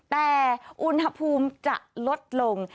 แต่อุณหภูมิจะลดลง